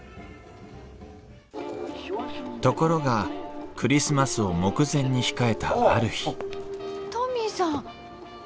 ところがクリスマスを目前に控えたある日トミーさん。